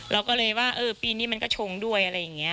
เราก็เลยว่าเออปีนี้มันก็ชงด้วยอะไรอย่างนี้